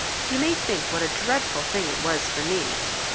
You may think what a dreadful thing it was for me."